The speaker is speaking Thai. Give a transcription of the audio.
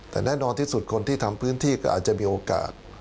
แต่แน่นอนที่สุดคนที่ทำพื้นที่ก็อาจจะมีโอกาส